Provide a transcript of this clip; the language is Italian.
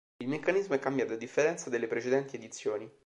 Il meccanismo è cambiato a differenza delle precedenti edizioni.